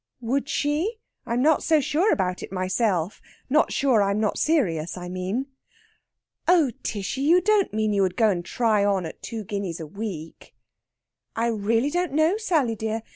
"Would she? I'm not so sure about it myself not sure I'm not serious, I mean." "Oh, Tishy! You don't mean you would go and try on at two guineas a week?" "I really don't know, Sally dear.